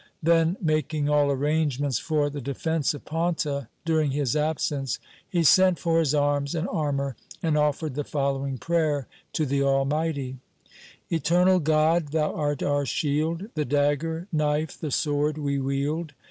Then making all arrangements for the defence of Paunta during his absence, he sent for his arms and armour and offered the following prayer to the Almighty :— Eternal God, Thou art our shield, .The dagger, knife, the sword we wield.